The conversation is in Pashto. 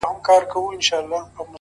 هم دي د سرو سونډو په سر كي جـادو.!